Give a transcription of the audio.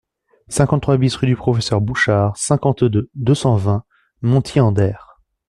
cinquante-trois BIS rue du Professeur Bouchard, cinquante-deux, deux cent vingt, Montier-en-Der